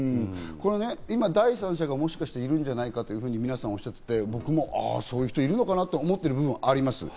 今、第三者がもしかしているんじゃないかと皆さんおっしゃって僕も、あ、そういう人もいるのかなと思っている部分もあります。